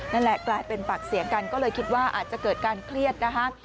นั่นแหละกลายเป็นปากเสียงกันก็เลยคิดว่าอาจจะเกิดการเครียดนะคะ